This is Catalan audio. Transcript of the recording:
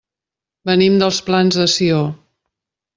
Venim dels Plans de Sió.